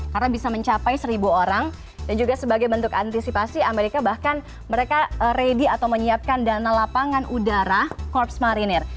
karena bisa mencapai seribu orang dan juga sebagai bentuk antisipasi amerika bahkan mereka ready atau menyiapkan dana lapangan udara corpse mariner